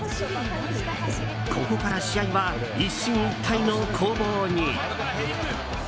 ここから試合は一進一退の攻防に。